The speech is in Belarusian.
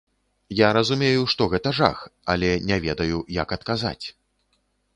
Я разумею, што гэта жах, але не ведаю, як адказаць.